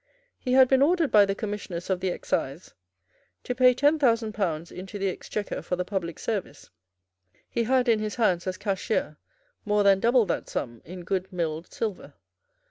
He had been ordered by the Commissioners of the Excise to pay ten thousand pounds into the Exchequer for the public service. He had in his hands, as cashier, more than double that sum in good milled silver.